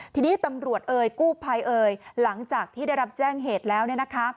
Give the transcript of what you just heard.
ทีนี้ตำรวจเอ่ยกู้ภัยเอ่ยหลังจากที่ได้รับแจ้งเหตุแล้วเนี่ยนะคะ